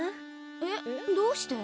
えっどうして？